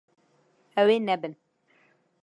Ew ê nebin.